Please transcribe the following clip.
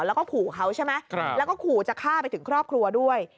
แล้วก็ขู่เขาใช่ไหมแล้วก็ขู่จะฆ่าไปถึงครอบครัวด้วย